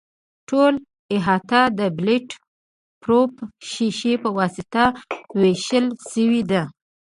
ټوله احاطه د بلټ پروف شیشې په واسطه وېشل شوې ده.